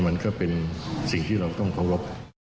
มันก็เป็นสิ่งที่เราต้องเคารพ